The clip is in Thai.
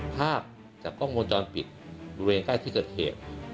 ภาพจากกล้องมนต์จอลปิดดูเรียงใกล้ที่เกิดเหตุ